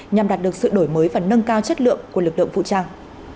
nhằm đạt được sự đổi mới và nâng cao chất lượng của lực lượng vũ trang